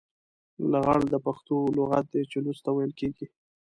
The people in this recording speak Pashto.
لغړ د پښتو لغت دی چې لوڅ ته ويل کېږي.